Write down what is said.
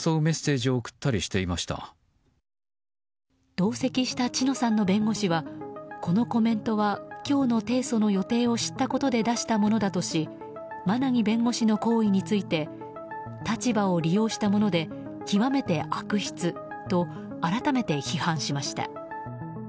同席した知乃さんの弁護士はこのコメントは今日の提訴の予定を知ったことで出したものだとし馬奈木弁護士の行為について立場を利用したもので極めて悪質と改めて批判しました。